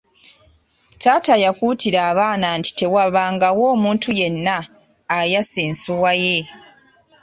Taata yakuutira abaana nti tewabangawo omuntu yenna ayasa ensuwa ye.